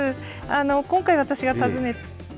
今回、私が訪ねた。